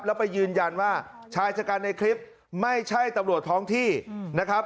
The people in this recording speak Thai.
แล้วไปยืนยันว่าชายชะกันในคลิปไม่ใช่ตำรวจท้องที่นะครับ